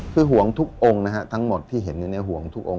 คือห่วงทุกองค์นะฮะทั้งหมดที่เห็นอยู่ในห่วงทุกอง